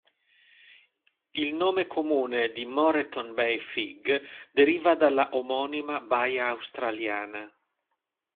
Il nome comune di Moreton Bay Fig deriva dalla omonima baia australiana.